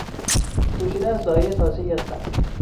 پوشیده از لایهی تازهای از برف